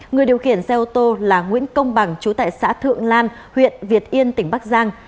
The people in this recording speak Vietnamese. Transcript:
người điều khiển xe ô tô là nguyễn công bằng chú tại xã thượng lan huyện việt yên tỉnh bắc giang